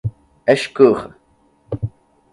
Ascurra